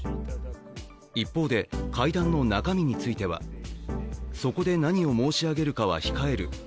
一方で、会談の中身についてはそこで何を申し上げるかは控える。